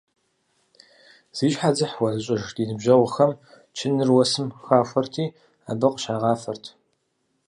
Зи щхьэ дзыхь хуэзыщӏыж ди ныбжьэгъухэм чыныр уэсым хахуэрти, абы къыщагъафэрт.